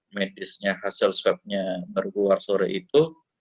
medisnya hasil swabnya berkeluar sore itu